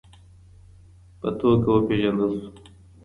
په توګه وپېژندل سو